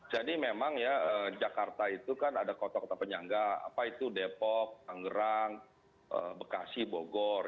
jadi memang ya jakarta itu kan ada kota kota penyangga apa itu depok anggerang bekasi bogor